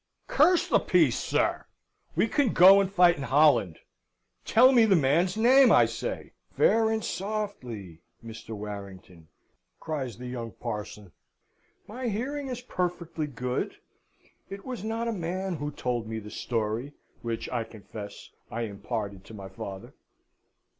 "Curse the peace, sir! We can go and fight in Holland. Tell me the man's name, I say!" "Fair and softly, Mr. Warrington!" cries the young parson; "my hearing is perfectly good. It was not a man who told me the story which, I confess, I imparted to my father."